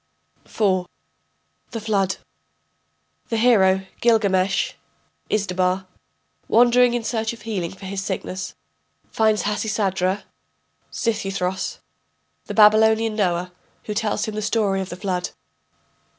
] IV. THE FLOOD [The hero Gilgamesh (Izdubar), wandering in search of healing for his sickness, finds Hasisadra (Xisuthros), the Babylonian Noah, who tells him the story of the Flood.